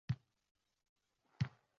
U uni bilishni ham istamasdi.